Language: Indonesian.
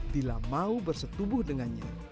bila mau bersetubuh dengannya